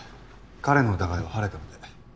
彼の疑いは晴れたので。